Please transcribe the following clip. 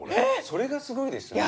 それがすごいですよね。